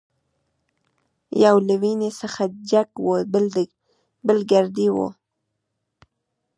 یو له ونې څخه جګ وو بل ګردی وو.